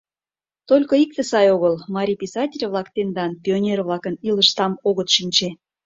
Только икте сай огыл: марий писатель-влак тендан, пионер-влакын, илышдам огыт шинче.